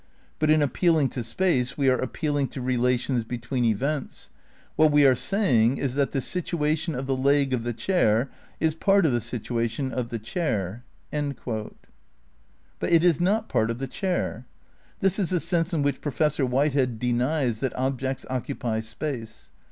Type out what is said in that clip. But in appealing to space we are appealing to relations between events. What we are saying is that the situa tion of the leg of the chair is part of the situation of the chair." ' But it is not part of the chair. This is the sense in which Professor Whitehead denies that objects occupy space.